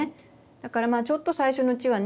だからちょっと最初のうちはね